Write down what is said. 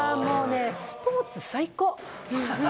スポーツ最高！